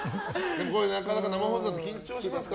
これはなかなか、生放送だと緊張しますか？